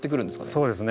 そうですね。